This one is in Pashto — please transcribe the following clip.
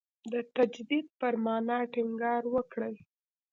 د تجدید پر معنا ټینګار وکړي.